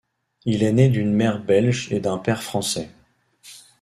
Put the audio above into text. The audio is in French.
Il est né d'une mère belge et d'un père français.